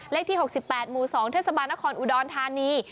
เลขที่๖๘หมู่๒เทศบาลนครอุดรธานี